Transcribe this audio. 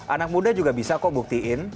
anak muda juga bisa kok buktiin